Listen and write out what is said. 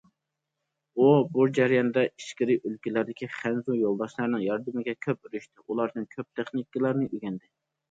ئۇ بۇ جەرياندا ئىچكىرى ئۆلكىلەردىكى خەنزۇ يولداشلارنىڭ ياردىمىگە كۆپ ئېرىشتى، ئۇلاردىن كۆپ تېخنىكىلارنى ئۆگەندى.